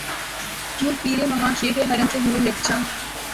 یوں پیر مغاں شیخ حرم سے ہوئے یک جاں